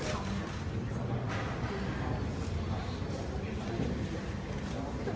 ขอบคุณค่ะ